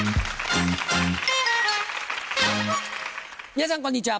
皆さんこんにちは。